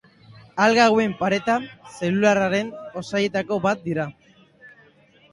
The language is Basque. Alga hauen pareta zelularraren osagaietako bat dira.